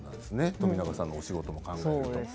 冨永さんのお仕事も考えると。